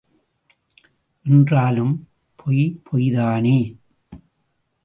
என்றாலும் பொய் பொய்தானே?